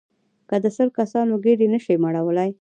که د سل کسانو ګېډې نه شئ مړولای.